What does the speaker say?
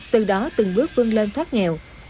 từ đó từng bước vươn lên thoát nghèo